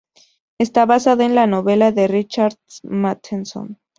Está basada en la novela de Richard Matheson.